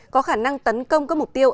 có khả năng tấn công các mục tiêu